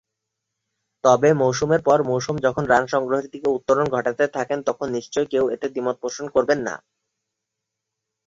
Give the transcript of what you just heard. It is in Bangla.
তবে মৌসুমের পর মৌসুম যখন রান সংগ্রহের দিকে উত্তরণ ঘটাতে থাকেন তখন নিশ্চয়ই কেউ এতে দ্বিমত পোষণ করবেন না।